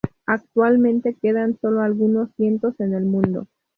Actualmente quedan sólo algunos cientos en el mundo.